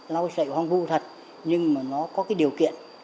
lau sậy hoang vu thật nhưng mà nó có cái điều kiện